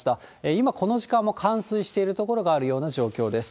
今この時間も冠水している所もあるような状況です。